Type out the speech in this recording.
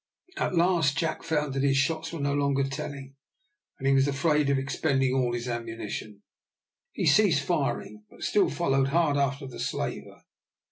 At last Jack found that his shots were no longer telling, and as he was afraid of expending all his ammunition, he ceased firing, but still followed hard after the slaver.